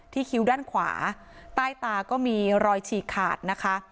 คิ้วด้านขวาใต้ตาก็มีรอยฉีกขาดนะคะ